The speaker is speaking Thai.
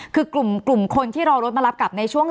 คุณหมอประเมินสถานการณ์บรรยากาศนอกสภาหน่อยได้ไหมคะ